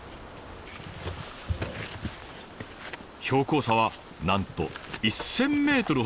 標高差はなんと１，０００ｍほど。